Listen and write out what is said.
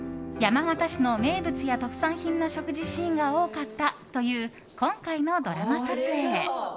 山県市の名物や特産品の食事シーンが多かったという今回のドラマ撮影。